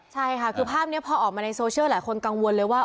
ใช่ค่ะคือภาพนี้พอออกมาในโซเชียลหลายคนกังวลเลยว่า